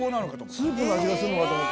スープの味がするかと思った。